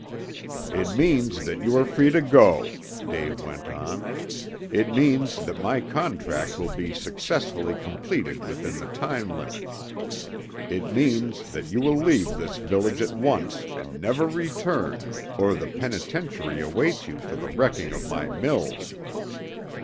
"It means that you are free to go," Dave went on. "It means that my contract will be successfully completed within the time limit. It means that you will leave this village at once and never return, or the penitentiary awaits you for the wrecking of my mills."